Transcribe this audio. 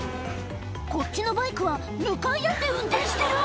こっちのバイクは向かい合って運転してる！